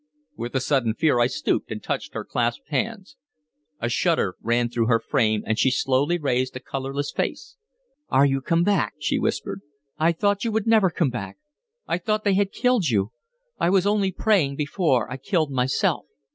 With a sudden fear I stooped and touched her clasped hands. A shudder ran through her frame, and she slowly raised a colorless face. "Are you come back?" she whispered. "I thought you would never come back. I thought they had killed you. I was only praying before I killed myself."